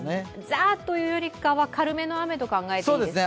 ザッというよりかは軽めの雨と考えていいですか？